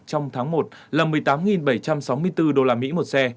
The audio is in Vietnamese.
trong tháng một là một mươi tám bảy trăm sáu mươi bốn đô la mỹ một xe